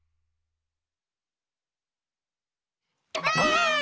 ばあっ！